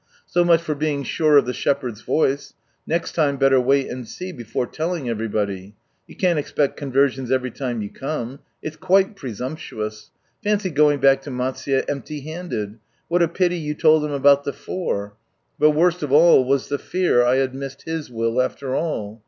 "So much for being sure of the Shepherd's voice. Next time better wait and see, before telling everybody. You can't expect conversions every time you come. It's quite presumptuous. Fancy going back to Maisuye empty handed ! What a pity you told them about the ' Four' !" But worst of all was the fear I had missed His will after all.